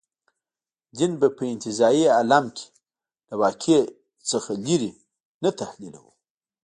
دین به په انتزاعي عالم کې له واقع څخه لرې نه تحلیلوو.